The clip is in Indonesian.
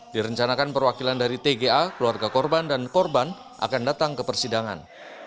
direncanakan perwakilan dari tga keluarga korban dan korban akan datang ke persidangan